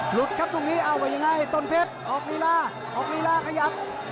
หลุดครับตรงนี้เอาไว้ยังไงต้นเพชรอกนิราขยับ